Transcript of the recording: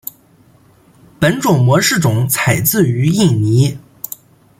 本种模式种采自于印尼。